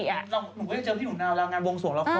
หนูก็ยังเจอพี่หนูนาราวงานวงศวงละคร